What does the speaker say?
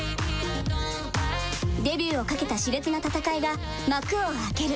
デビューをかけた熾烈な戦いが幕を開ける。